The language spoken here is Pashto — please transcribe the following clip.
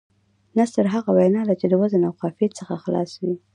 نثر هغه وینا ده، چي د وزن او قافيې څخه خلاصه وي.